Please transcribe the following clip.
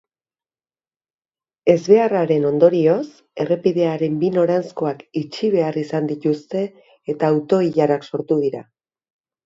Ezbeharraren ondorioz errepidearen bi noranzkoak itxi behar izan dituzte eta auto-ilarak sortu dira.